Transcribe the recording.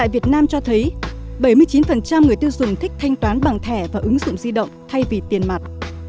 việt nam cho thấy bảy mươi chín người tiêu dùng thích thanh toán bằng thẻ và ứng dụng di động thay vì tiền mặt